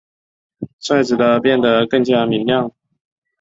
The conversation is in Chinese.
率直地变得更加明亮！